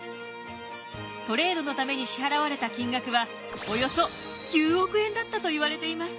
トレードのために支払われた金額はおよそ９億円だったといわれています。